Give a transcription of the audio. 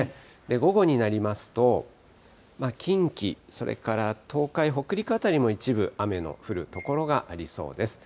午後になりますと、近畿、それから東海、北陸辺りも一部雨の降る所がありそうです。